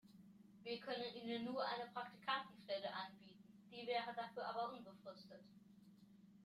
Wir können Ihnen nur eine Praktikantenstelle anbieten, die wäre dafür aber unbefristet.